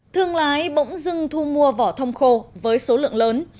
thương lái bỗng dưng thu mua vỏ thông khô với số lượng lớn